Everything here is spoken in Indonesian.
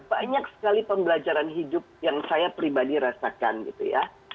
banyak sekali pembelajaran hidup yang saya pribadi rasakan gitu ya